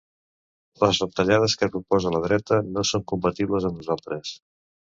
Les retallades que proposa la dreta no són compatibles amb nosaltres.